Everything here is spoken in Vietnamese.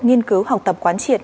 nghiên cứu học tập quán triệt